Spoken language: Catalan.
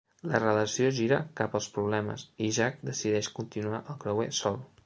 La relació gira cap als problemes i Jack decideix continuar el creuer sol.